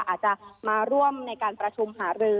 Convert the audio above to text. อาจจะมาร่วมในการประชุมหารือ